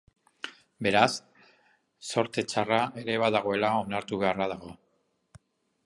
Beraz, zorte txarra ere badagoela onartu beharra dago.